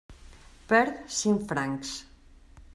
Perd cinc francs.